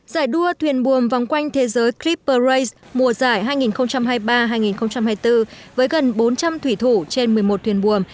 giải đua thuyền buồm vòng quanh thế giới krip perce mùa giải hai nghìn hai mươi ba hai nghìn hai mươi bốn với gần bốn trăm linh thủy thủ trên một mươi một thuyền buồm